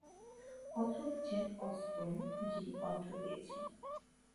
কথক Jack Osborne, যিনি কণ্ঠ দিয়েছেন।